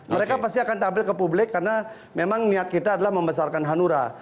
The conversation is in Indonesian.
mereka pasti akan tampil ke publik karena memang niat kita adalah membesarkan hanura